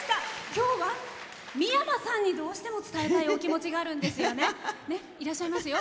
今日は三山さんにどうしても伝えたいお気持ちがあるんですよね。